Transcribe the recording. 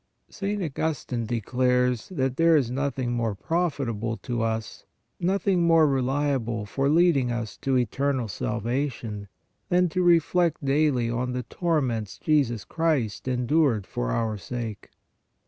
St. Augus tine declares that there is nothing more profitable to us, nothing more reliable for leading us to eternal salvation, than to reflect daily on the torments Jesus Christ endured for our sake.